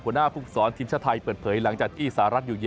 หัวหน้าภูมิสอนทีมชาติไทยเปิดเผยหลังจากที่สหรัฐอยู่เย็น